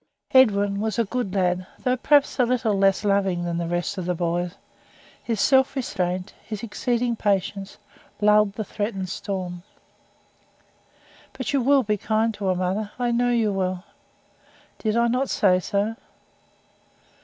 Edwin was a good lad, though perhaps a little less loving than the rest of the boys. His self restraint, his exceeding patience, lulled the threatened storm. "But you will be kind to her, mother? I know you will." "Did I not say so?"